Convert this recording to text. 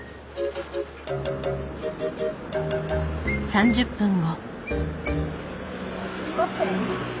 ３０分後。